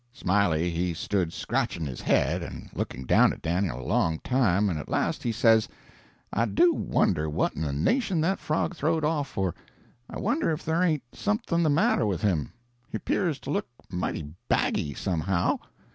"Smiley he stood scratching his head and looking down at Dan'l a long time, and at last he says, 'I do wonder what in the nation that frog throw'd off for I wonder if there ain't something the matter with him he 'pears to look mighty baggy, somehow.'